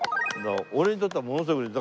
俺にとってはものすごい嬉しい。